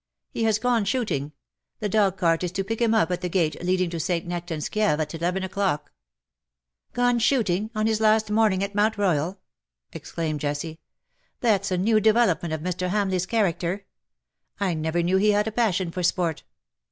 " He has gone shooting. The dog cart is to pick him up at the gate leading to St. Nectan's Kieve at eleven o'clock.'' '^ Gone shooting on his last morning at Mount Royal !" exclaimed Jessie. " That's a new develop ment of Mr. Hamleigh's character. I never knew he had a passion for sport."